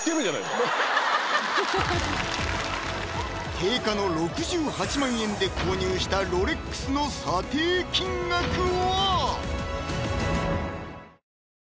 定価の６８万円で購入したロレックスの査定金額は？